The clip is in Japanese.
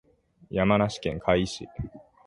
山梨県甲斐市